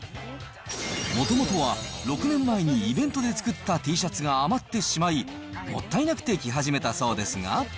もともとは６年前にイベントで作ったＴシャツが余ってしまい、もったいなくて着始めたそうですが。